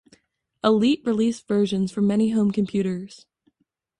Elite released versions for many home computers.